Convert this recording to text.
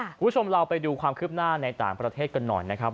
คุณผู้ชมเราไปดูความคืบหน้าในต่างประเทศกันหน่อยนะครับ